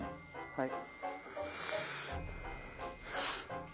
はい。